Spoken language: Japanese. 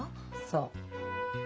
そう。